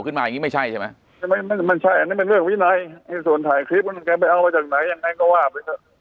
ขึ้นมายังไม่ใช่ใช่ไหมมันใช่มันเรื่องวินัยส่วนถ่ายคลิป